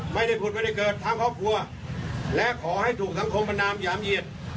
ไม่ได้ผุดไม่ได้เกิดทั้งครอบครัวและขอให้ถูกสังคมประนามหยามเหยียด